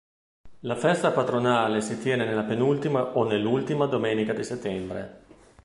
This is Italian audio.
La festa patronale si tiene nella penultima o nell'ultima domenica di settembre.